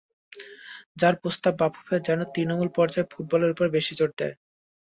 তাঁর প্রস্তাব, বাফুফে যেন তৃণমূল পর্যায়ে ফুটবলের ওপর বেশি জোর দেয়।